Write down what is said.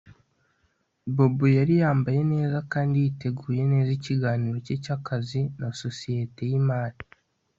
Bobo yari yambaye neza kandi yiteguye neza ikiganiro cye cyakazi na societe yimari